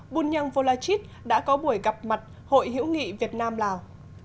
bunyang volachit đã có buổi gặp mặt hội hữu nghị việt nam lào